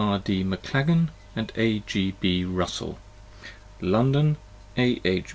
R. D. MACLAGAN AND A. G. B. RUSSELL LONDON: A. H.